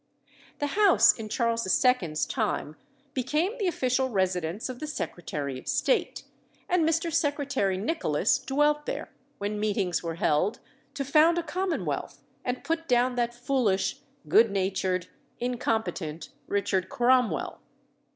The house in Charles II.'s time became the official residence of the Secretary of State, and Mr. Secretary Nicholas dwelt there, when meetings were held to found a commonwealth and put down that foolish, good natured, incompetent Richard Cromwell.